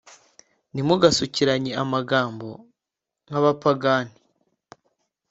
ntimugasukiranye amagambo nk’abapagani